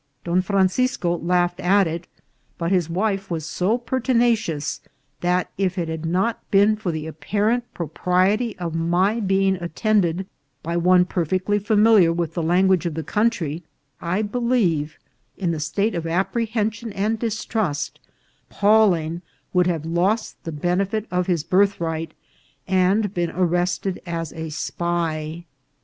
Don Francisco laughed at it, but his wife was so pertinacious, that, if it had not been for the apparent propriety of my being attended by one perfectly fa miliar with the language of the country, I believe, in the state of apprehension and distrust, Pawling would have lost the benefit of his birthright, and been arrested as a spy.